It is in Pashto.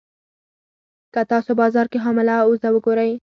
که تاسو بازار کې حامله اوزه وګورئ.